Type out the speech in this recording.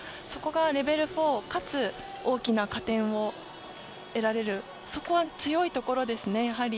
そこがレベル４かつ大きな加点を得られるやはりそこは強いところですね。